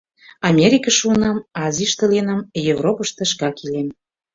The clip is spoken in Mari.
Америкыш шуынам, Азийыште лийынам, Европышто шкак илем.